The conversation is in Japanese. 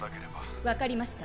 分かりました。